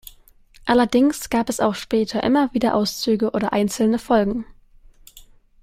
Allerdings gab es auch später immer wieder Auszüge oder einzelne Folgen.